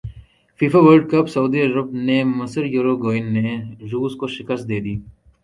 FIFA world cup Saudi Arab نے مصر Uruguay نے روس کو شکست دیدی